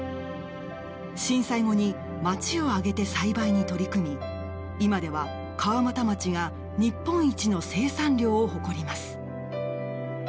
震災後に町を挙げて栽培に取り組み今では川俣町が日本一の生産量を誇ります。